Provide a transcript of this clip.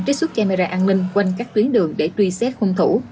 trích xuất camera an ninh quanh các tuyến đường để truy xét hung thủ